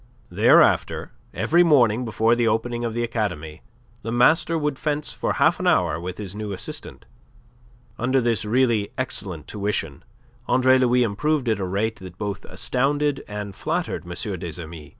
Thereafter every morning before the opening of the academy, the master would fence for half an hour with his new assistant. Under this really excellent tuition Andre Louis improved at a rate that both astounded and flattered M. des Amis.